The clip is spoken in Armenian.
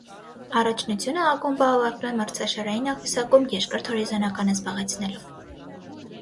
Առաջնությունը ակումբը ավարտում է մրցաշարային աղյուսակում երկրորդ հորիզոնականը զբաղեցնելով։